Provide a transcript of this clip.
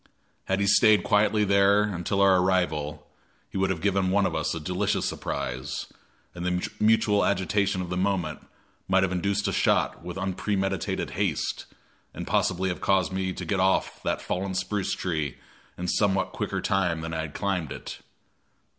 Had he stayed quietly there until our arrival, he would have given one of us a delicious surprise, and the mutual agitation of the moment might have induced a shot with unpremeditated haste, and possibly have caused me to get off that fallen spruce tree in somewhat quicker time than I had climbed it.